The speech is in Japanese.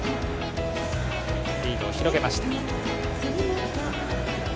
リードを広げました。